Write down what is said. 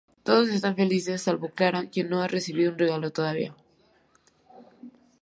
Todos están felices salvo Clara, quien no ha recibido un regalo todavía.